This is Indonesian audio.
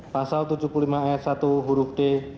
pasal tujuh puluh lima ayat satu huruf d